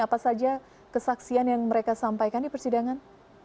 apa saja kesaksian yang mereka sampaikan di persidangan